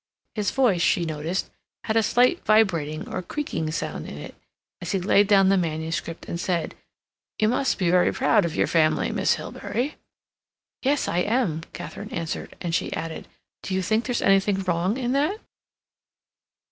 His voice, she noticed, had a slight vibrating or creaking sound in it, as he laid down the manuscript and said: "You must be very proud of your family, Miss Hilbery." "Yes, I am," Katharine answered, and she added, "Do you think there's anything wrong in that?"